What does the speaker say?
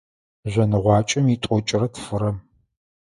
Жъоныгъуакӏэм итӏокӏрэ тфырэм.